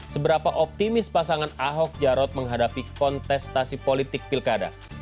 seberapa optimis pasangan ahok jarot menghadapi kontestasi politik pilkada